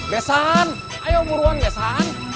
besan ayo buruan besan